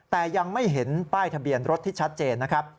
แต่ยังไม่เห็นป้ายทะเบียนรถที่ชัดเจนนะครับ